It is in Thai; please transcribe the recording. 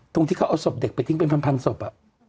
ตรงที่เขาเอาศพเด็กไปทิ้งเป็นพันศพ